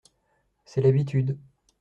C’est l’habitude.